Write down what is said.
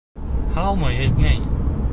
Һаумы, еҙнәй!